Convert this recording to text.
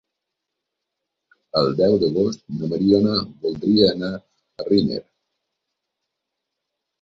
El deu d'agost na Mariona voldria anar a Riner.